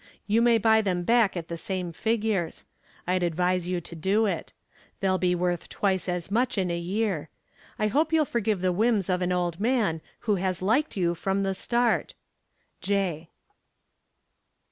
You may buy them back at the same figures. I'd advise you to do it. They'll be worth twice as much in a year. I hope you'll forgive the whims of an old man who has liked you from the start. J."